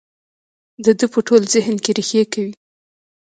د ده په ټول ذهن کې رېښې کوي.